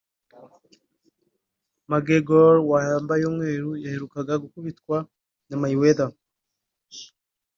McGreggor (wambaye umweru) yaherukaga gukubitwa na Mayweather